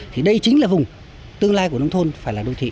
thì đây chính là vùng tương lai của nông thôn phải là đô thị